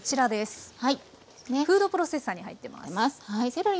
フードプロセッサーに入ってます。